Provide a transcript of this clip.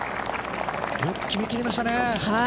よく決め切りましたね。